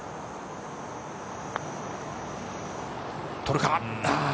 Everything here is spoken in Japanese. とるか。